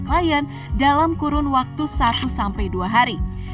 klien dalam kurun waktu satu sampai dua hari